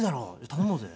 頼もうぜ」